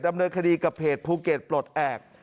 ดำเนินคดีกับเพจภูเก็ตปลดแอบ